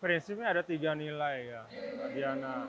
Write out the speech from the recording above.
prinsipnya ada tiga nilai ya diana